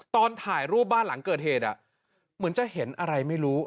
ตอนถ่ายรูปบ้านหลังเกิดเหตุเหมือนจะเห็นอะไรไม่รู้